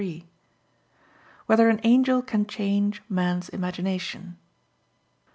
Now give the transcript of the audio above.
3] Whether an Angel Can Change Man's Imagination?